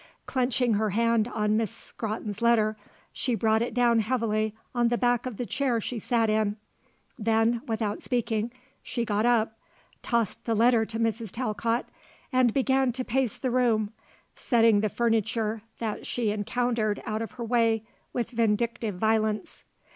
Clenching her hand on Miss Scrotton's letter, she brought it down heavily on the back of the chair she sat in. Then, without speaking, she got up, tossed the letter to Mrs. Talcott, and began to pace the room, setting the furniture that she encountered out of her way with vindictive violence.